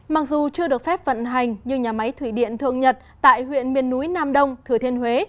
mặc dù chưa được phép vận hành như nhà máy thủy điện thượng nhật tại huyện miền núi nam đông thừa thiên huế